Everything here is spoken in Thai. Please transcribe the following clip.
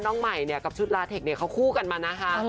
น้องใหม่กับชุดลาเทคเขาคู่กันมานะคะ